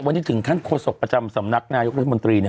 วันนี้ถึงขั้นโฆษกประจำสำนักนายกรัฐมนตรีเนี่ย